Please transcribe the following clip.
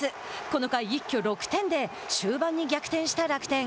この回、一挙６点で終盤に逆転した楽天。